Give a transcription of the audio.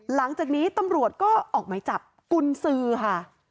หลังจากนี้ตำรวจก็ออกหมายจับกุญสือค่ะ